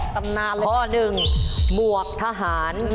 ข้อหนึ่งมวกทหาร